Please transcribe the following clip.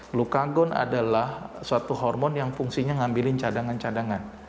glukagon adalah suatu hormon yang fungsinya mengambil cadangan cadangan